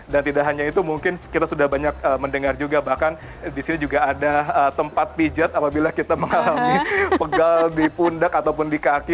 dan tidak hanya itu mungkin kita sudah banyak mendengar juga bahkan di sini juga ada tempat pijat apabila kita mengalami pegal di pundak ataupun di kaki